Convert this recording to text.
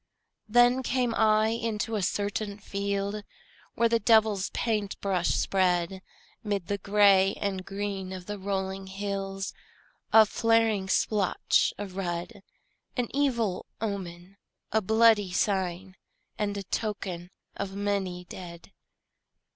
Then came I into a certain field Where the devil's paint brush spread 'Mid the gray and green of the rolling hills A flaring splotch of red, An evil omen, a bloody sign, And a token of many dead.